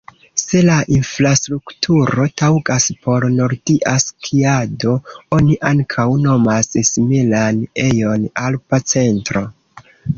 Se la infrastrukturo taŭgas por nordia skiado oni ankaŭ nomas similan ejon "alpa centro".